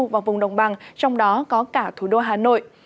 và vùng đồng bằng trong đó có cả thủ đô hà nội